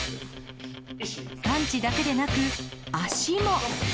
パンチだけでなく、足も。